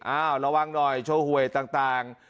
ระวังหน่อยโชว์หวยต่าง